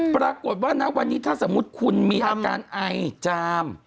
ปรากฏว่าณวันนี้ถ้าสมมุติคุณมีอาการไอจาม